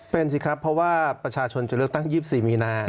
เป็นสิครับเพราะว่าประชาชนจะเลือกตั้ง๒๔มีนา